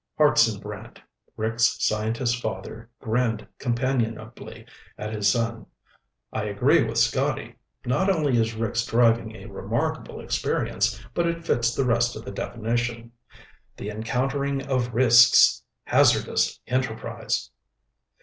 '" Hartson Brant, Rick's scientist father, grinned companionably at his son. "I agree with Scotty. Not only is Rick's driving a remarkable experience, but it fits the rest of the definition: 'The encountering of risks; hazardous enterprise.'"